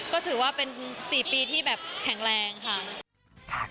ก็ถือว่าเป็น๔ปีที่แบบแข็งแรงค่ะ